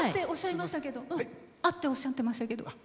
「あ」っておっしゃってましたけど。